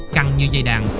cằn như dây đàn